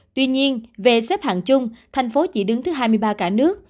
tuy nhiên về xếp hạng chung thành phố chỉ đứng thứ hai mươi ba cả nước